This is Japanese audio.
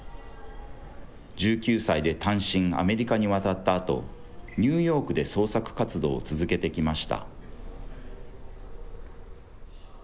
１９歳で単身アメリカに渡ったあと、ニューヨークで創作活動を続けてきました。